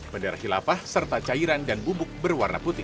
pendarahi lapah serta cairan dan bubuk berwarna putih